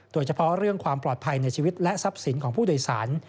โดยเฉพาะเรื่องความปลอดภัยในชีวิตและทรัพย์สินของผู้โดยสาร